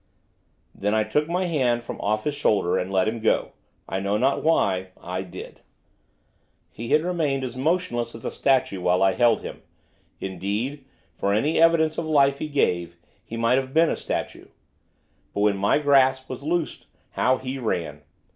Then I took my hand from off his shoulder, and let him go. I know not why, I did. He had remained as motionless as a statue while I held him, indeed, for any evidence of life he gave, he might have been a statue; but, when my grasp was loosed, how he ran!